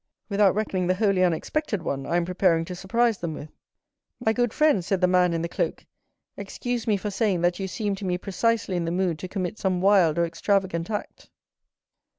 "Without reckoning the wholly unexpected one I am preparing to surprise them with." "My good friend," said the man in the cloak, "excuse me for saying that you seem to me precisely in the mood to commit some wild or extravagant act."